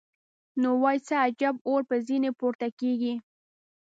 نو وای څه عجب اور به ځینې پورته کېږي.